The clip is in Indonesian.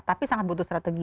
tapi sangat butuh strategi